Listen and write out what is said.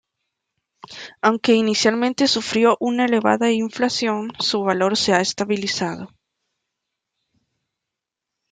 Aunque inicialmente sufrió una elevada inflación, su valor se ha estabilizado.